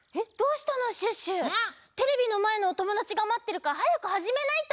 テレビのまえのおともだちがまってるからはやくはじめないと！